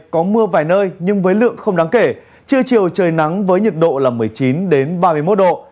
có mưa vài nơi nhưng với lượng không đáng kể trưa chiều trời nắng với nhiệt độ là một mươi chín ba mươi một độ